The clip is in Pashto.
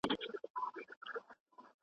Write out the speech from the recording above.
څوک محلونو کې اوسیږي